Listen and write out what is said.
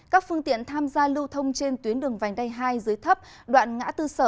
các phương tiện tham gia lưu thông trên tuyến đường vành đai hai dưới thấp đoạn ngã tư sở